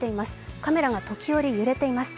カメラが時折揺れています。